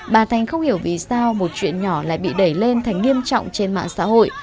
bà thanh không hiểu vì sao một chuyện nhỏ lại bị đẩy lên thành nghiêm trọng trên mạng xã hội